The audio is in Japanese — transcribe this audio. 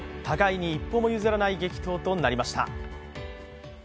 互いに一歩も譲らない激闘となりました。